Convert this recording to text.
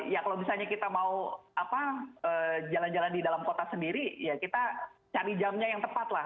ya kalau misalnya kita mau jalan jalan di dalam kota sendiri ya kita cari jamnya yang tepat lah